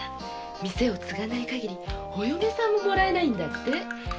店を継がない限りお嫁ももらえないんだって。